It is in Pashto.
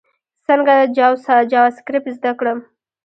څنګه جاواسکريپټ زده کړم؟